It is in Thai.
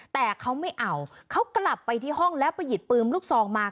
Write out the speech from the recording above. แต่เขาไม่เอาเขากลับไปที่ห้องแล้วไปหยิบปืนลูกซองมา